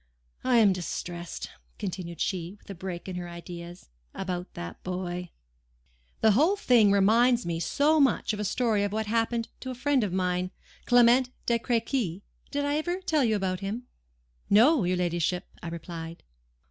I am distressed," continued she, with a break in her ideas, "about that boy. The whole thing reminds me so much of a story of what happened to a friend of mine—Clement de Crequy. Did I ever tell you about him?" "No, your ladyship," I replied.